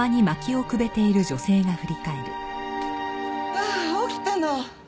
ああ起きたの。